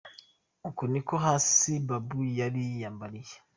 Uku niko hasi Babu yari yiyambariye.